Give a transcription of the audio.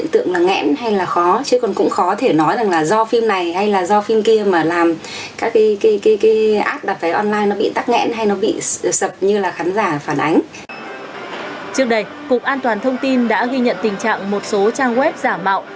trước đây cục an toàn thông tin đã ghi nhận tình trạng một số trang web giả mạo